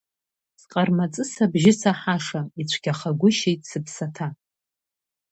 Сҟармаҵыс абжьы саҳашам, ицәгьахагәышьеит сыԥсаҭа.